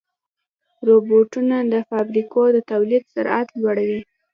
روبوټونه د فابریکو د تولید سرعت لوړوي.